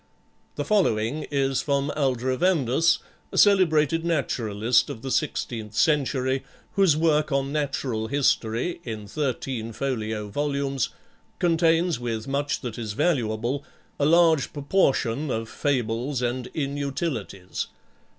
The following is from Aldrovandus, a celebrated naturalist of the sixteenth century, whose work on natural history, in thirteen folio volumes, contains with much that is valuable a large proportion of fables and inutilities.